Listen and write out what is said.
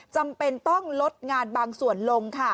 จำเป็นต้องลดงานบางส่วนลงค่ะ